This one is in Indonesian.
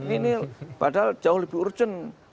ini padahal jauh lebih urgent